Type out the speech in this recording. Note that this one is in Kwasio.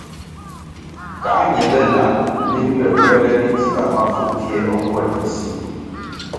Ka ñenge lab linʼ ywe gywēle bitsiga mafu pfie o ngwenʼ ri si,